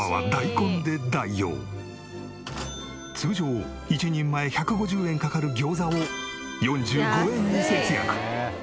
通常１人前１５０円かかるギョウザを４５円に節約。